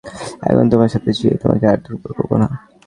এখন তোমার সাথে যেয়ে, তোমাকে আর দুর্বল করবো না।